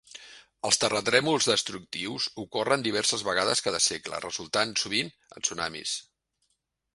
Els terratrèmols destructius ocorren diverses vegades cada segle, resultant sovint en tsunamis.